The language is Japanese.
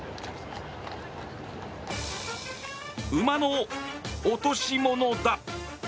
馬の落とし物だ。